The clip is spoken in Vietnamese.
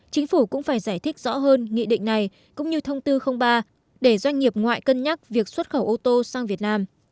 chính phủ cũng phải giải thích rõ hơn nghị định này cũng như thông tư ba để doanh nghiệp ngoại cân nhắc việc xuất khẩu ô tô sang việt nam